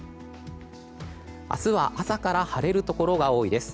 明日は朝から晴れるところが多いです。